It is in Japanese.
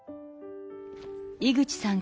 井口さん